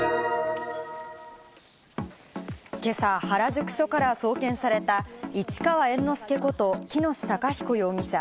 今朝、原宿署から送検された市川猿之助こと喜熨斗孝彦容疑者。